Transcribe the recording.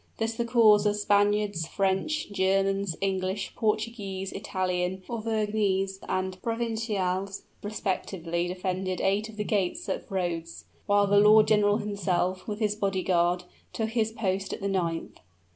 Thus the corps of Spaniards, French, Germans, English, Portuguese, Italian, Auvergnese and Provincials, respectively defended eight of the gates of Rhodes; while the lord general himself, with his body guard, took his post at the ninth.